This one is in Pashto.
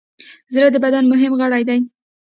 زړه د بدن مهم غړی دی.